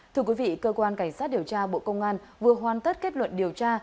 thưa quý vị cơ quan cảnh sát điều tra bộ công an vừa hoàn tất kết luận điều tra